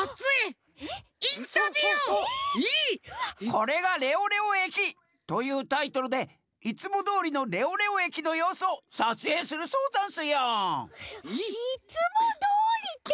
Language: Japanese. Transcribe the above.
「これがレオレオえき！」というタイトルでいつもどおりのレオレオえきのようすをさつえいするそうざんすよ！いつもどおりっていわれても。